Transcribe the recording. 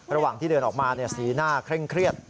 ระหว่างที่เดินออกมาสีหน้าเคร่งเครียด